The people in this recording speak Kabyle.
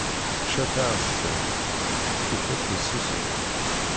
Tečča taεeṣbant, tufa-tt messuset.